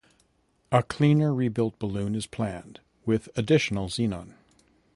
A cleaner rebuilt balloon is planned with additional xenon.